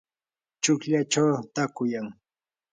chuklallachaw taakuyan.